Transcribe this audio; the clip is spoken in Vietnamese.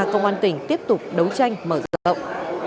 công an tỉnh tiếp tục đấu tranh mở rộng